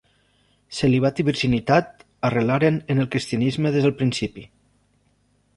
Celibat i virginitat arrelaren en el cristianisme des del principi.